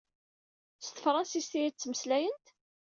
S tefṛansist i ad ttmeslayent?